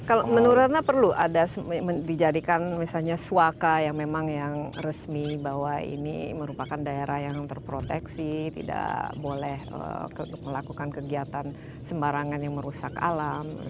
kalau menurut anda perlu ada dijadikan misalnya suaka yang memang yang resmi bahwa ini merupakan daerah yang terproteksi tidak boleh melakukan kegiatan sembarangan yang merusak alam